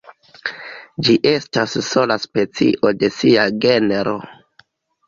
Ĝi estas sola specio de sia genro.